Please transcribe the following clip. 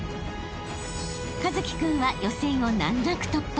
［一輝君は予選を難なく突破］